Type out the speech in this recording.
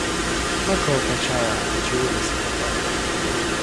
مه کوه په چا، چی وبه شي په تا